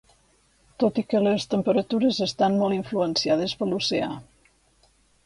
Tot i que les temperatures estan molt influenciades per l'oceà.